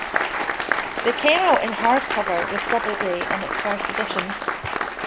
They came out in hardcover with Doubleday in its first edition.